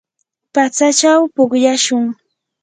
patsachaw pukllashun.